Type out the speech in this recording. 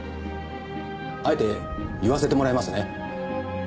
あえて言わせてもらいますね。